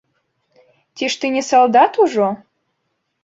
— Ці ж ты не салдат ужо?